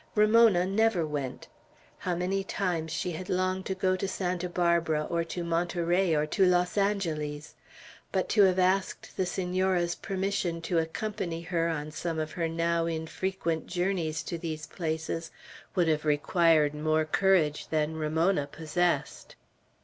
Ramona never went. How many times she had longed to go to Santa Barbara, or to Monterey, or Los Angeles; but to have asked the Senora's permission to accompany her on some of her now infrequent journeys to these places would have required more courage than Ramona possessed.